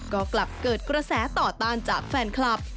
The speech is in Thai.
ก็กลับเกิดกระแสต่อต้านจากแฟนคลับ